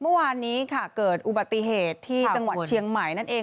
เมื่อวานนี้ค่ะเกิดอุบัติเหตุที่จังหวัดเชียงใหม่นั่นเอง